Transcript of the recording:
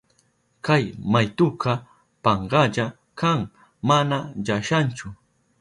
Kay maytuka pankalla kan, mana llashanchu.